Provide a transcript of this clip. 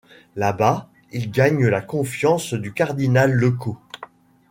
Là-bas, il gagne la confiance du cardinal Lecot.